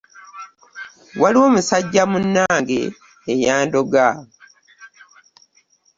Waliwo musajja munnange eyandoga.